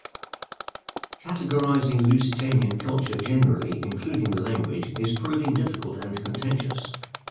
Categorising Lusitanian culture generally, including the language, is proving difficult and contentious.